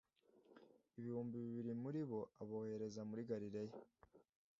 ibihumbi bibiri muri bo abohereza muri galileya